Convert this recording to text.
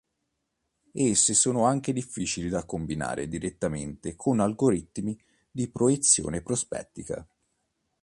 Esse sono anche difficili da combinare direttamente con algoritmi di proiezione prospettica.